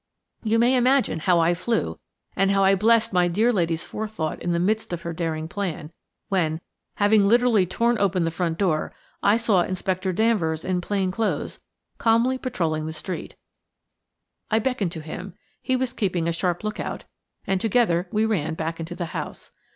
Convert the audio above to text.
You may imagine how I flew, and how I blessed my dear lady's forethought in the midst of her daring plan, when, having literally torn open the front door, I saw Inspector Danvers in plain clothes, calmly patrolling the street. I beckoned to him–he was keeping a sharp look out–and together we ran back into the house.